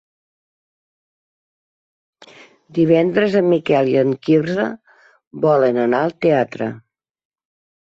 Divendres en Miquel i en Quirze volen anar al teatre.